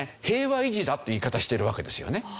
平和維持だって言い方してるわけですよね。